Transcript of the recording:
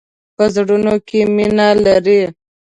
په زړونو کې مینه لری.